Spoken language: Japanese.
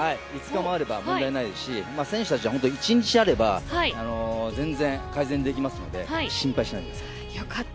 ５日もあれば問題ないですし選手たちはほとんど１日あれば全然改善できますので心配しないでください。